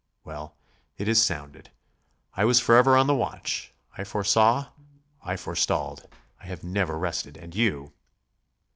Well, it is sounded. I was forever on the watch; I foresaw; I forestalled; I have never rested. And you...."